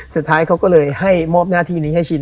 สุดท้ายเขาก็เลยให้มอบหน้าที่นี้ให้ชิน